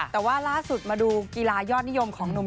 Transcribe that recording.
แต่ว่าล่าสุดมาดูกีฬายอดนิยมของหนุ่ม